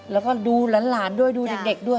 แล้วก็ดูหลานด้วยดูเด็กด้วย